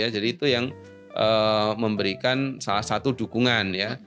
jadi itu yang memberikan salah satu dukungan ya